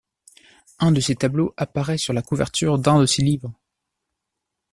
Un de ses tableaux, apparaît sur la couverture d’un de ses livres.